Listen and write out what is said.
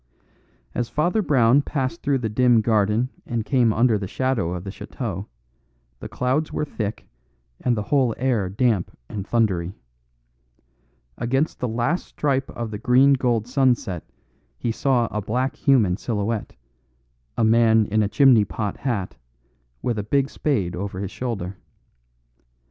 As Father Brown passed through the dim garden and came under the shadow of the chateau, the clouds were thick and the whole air damp and thundery. Against the last stripe of the green gold sunset he saw a black human silhouette; a man in a chimney pot hat, with a big spade over his shoulder.